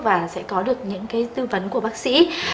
và sẽ có được những tư vấn của bác sĩ